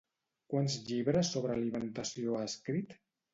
Quants llibres sobre alimentació ha escrit?